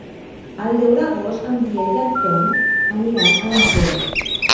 El deu d'agost en Biel i en Ton aniran a l'Ampolla.